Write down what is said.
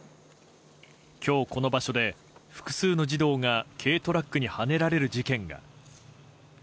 今日、この場所で複数の児童が軽トラックにはねられる事件が。